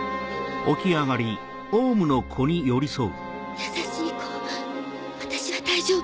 優しい子私は大丈夫。